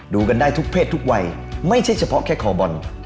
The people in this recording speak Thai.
ดูกันได้ทุกเพศทุกวัยไม่ใช่เฉพาะแค่คอบอล